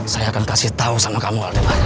saya akan kasih tahu sama kamu